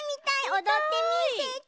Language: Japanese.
おどってみせて！